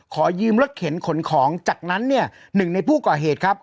ขอยืมรถเข็นขนของจากนั้นเนี่ยหนึ่งในผู้ก่อเหตุครับ